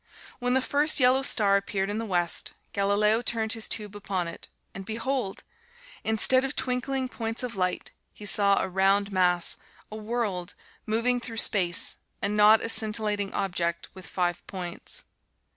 When the first yellow star appeared in the West, Galileo turned his tube upon it, and behold! instead of twinkling points of light, he saw a round mass a world moving through space, and not a scintillating object with five points.